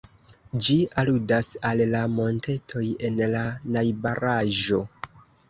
Ĝi aludas al la montetoj en la najbaraĵo.